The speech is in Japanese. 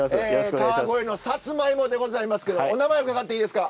川越のさつまいもでございますけどお名前伺っていいですか？